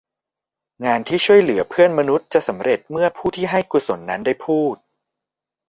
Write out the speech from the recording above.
งานที่ช่วยเหลือเพื่อนมนุษย์จะสำเร็จเมื่อผู้ที่ให้กุศลนั้นได้พูด